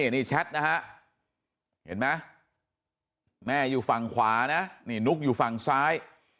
นี่แชทนะฮะเห็นไหมแม่อยู่ฝั่งขวานะนี่นุ๊กอยู่ฝั่งซ้าย